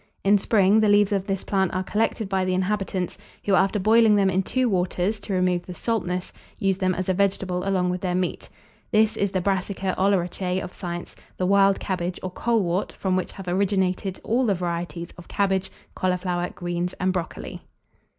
In spring, the leaves of this plant are collected by the inhabitants, who, after boiling them in two waters, to remove the saltness, use them as a vegetable along with their meat. This is the Brassica oleracea of science, the Wild Cabbage, or Colewort, from which have originated all the varieties of Cabbage, Cauliflower, Greens, and Brocoli.